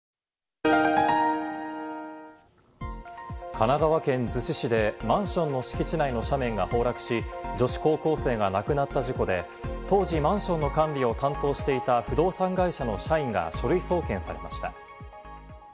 神奈川県逗子市でマンションの敷地内の斜面が崩落し、女子高校生が亡くなった事故で、当時マンションの管理を担当していた不動産会社の社員が書類送検されました。